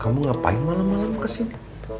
kamu ngapain malem malem kesini